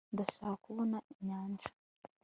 ndashaka kubona inyanja